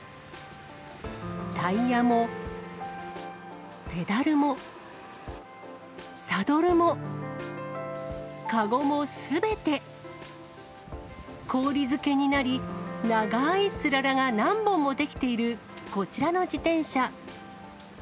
タイヤもペダルも、サドルも籠もすべて、氷漬けになり、長いつららが何本も出来ているこちらの自転車。